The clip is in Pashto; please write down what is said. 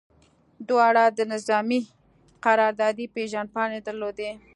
دواړو د نظامي قراردادي پیژندپاڼې درلودې